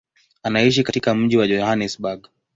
Anaishi katika mji wa Johannesburg.